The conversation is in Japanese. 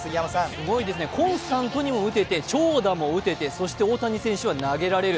すごいですね、コンスタントに打てて長打も打ててそして大谷選手は投げられる。